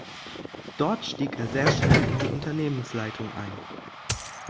Dort stieg er sehr schnell in die Unternehmensleitung ein.